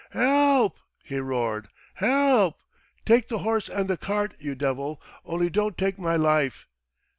"Help!" he roared. "Help! Take the horse and the cart, you devil, only don't take my life.